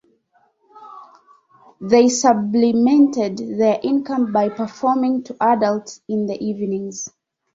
They supplemented their income by performing to adults in the evenings.